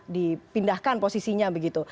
dipindahkan posisinya begitu